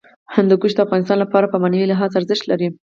هندوکش د افغانانو لپاره په معنوي لحاظ ارزښت لري.